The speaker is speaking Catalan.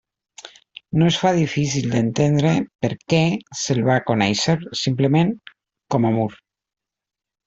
No es fa difícil d'entendre per què se'l va conèixer, simplement, com a Mur.